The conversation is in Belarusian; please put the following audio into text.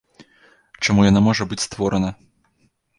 Чаму яна можа быць створана?